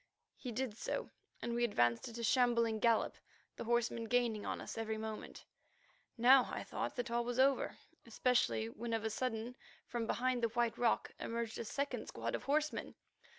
He did so, and we advanced at a shambling gallop, the horsemen gaining on us every moment. Now I thought that all was over, especially when of a sudden from behind the White Rock emerged a second squad of horsemen.